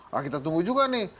nah kita tunggu juga nih